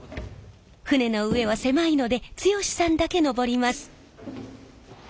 船の上は狭いので剛さんだけ上ります。